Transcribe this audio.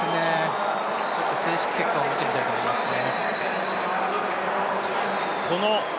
ちょっと正式結果を待ってみたいと思いますね。